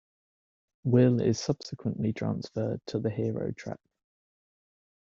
Will is subsequently transferred to the "Hero" track.